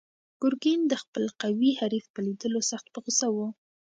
ګرګین د خپل قوي حریف په لیدو سخت په غوسه و.